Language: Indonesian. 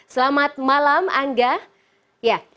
selamat malam angga